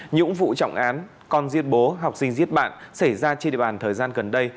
những vụ trọng án con giết bố học sinh giết bạn xảy ra trên địa bàn thời gian gần đây